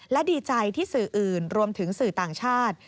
และดีใจที่สื่ออื่นรวมถึงสื่อต่างชาติ